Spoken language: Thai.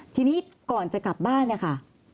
ทีนี้ก่อนจะกลับบ้านเนี่ยค่ะ